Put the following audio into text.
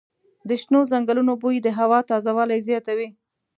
د شنو ځنګلونو بوی د هوا تازه والی زیاتوي.